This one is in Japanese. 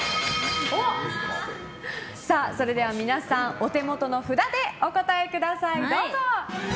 それでは皆さん、お手元の札でお答えください、どうぞ！